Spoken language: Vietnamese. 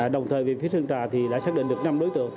đồng thời về phía sơn trà thì đã xác định được năm đối tượng